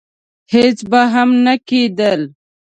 هېڅ به هم نه کېدل.